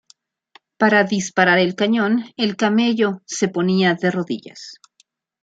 Para disparar el cañón, el camello se ponía de rodillas.